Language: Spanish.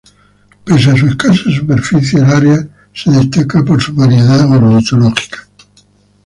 Pese a su escasa superficie, el área se destaca por su variedad ornitológica.